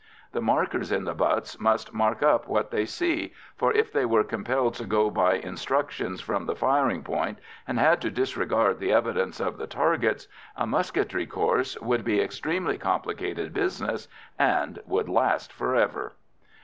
The markers in the butts must mark up what they see, for if they were compelled to go by instructions from the firing point and had to disregard the evidence of the targets, a musketry course would be an extremely complicated business, and would last for ever.